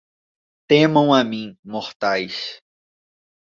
Temam a mim, mortais